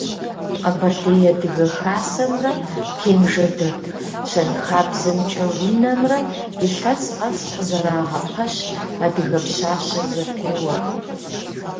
Къэбэрдей адыгэ хасэмрэ Кенжэ дэт щэнхабзэмкӏэ унэмрэ илъэс къэс къызэрагъэпэщ «Адыгэ пщащэ» зэпеуэр.